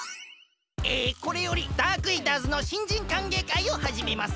えこれよりダークイーターズの新人歓迎会をはじめます。